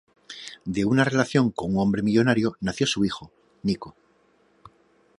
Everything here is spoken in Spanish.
De una relación con un hombre millonario nació su hijo, Nico.